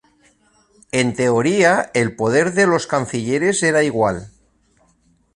En teoría, el poder de los Cancilleres era igual.